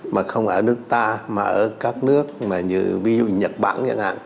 mà không ở nước ta mà ở các nước như nhật bản